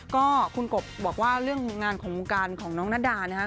ก็คุณกบบอกว่าเรื่องงานของวงการของน้องนาดานะฮะ